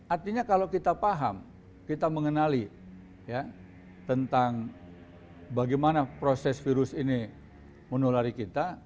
artinya kalau kita paham kita mengenali tentang bagaimana proses virus ini menulari kita